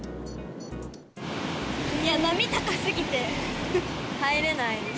波高すぎて入れないです。